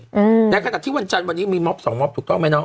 อืมในขณะที่วันจันทร์วันนี้มีม็อบสองมอบถูกต้องไหมเนาะ